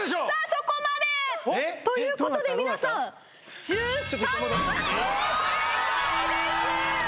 そこまで！ということで皆さん１３問！